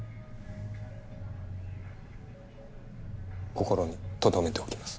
心にとどめておきます。